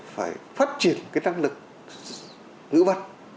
phải phát triển cái năng lực ngữ văn